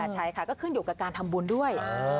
ใช่ค่ะก็ขึ้นอยู่กับการทำบุญด้วย